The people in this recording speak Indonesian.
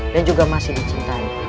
dan juga masih dicintai